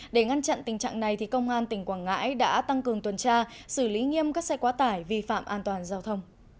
để ngăn chặn tình trạng này công an tỉnh quảng ngãi đã tăng cường tuần tra xử lý nghiêm các xe quá tải vi phạm an toàn giao thông